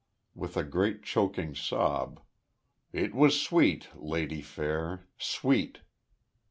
With a great choking sob: "It was sweet, Lady Fair! Sweet!"